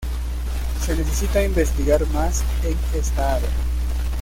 Se necesita investigar más en esta área.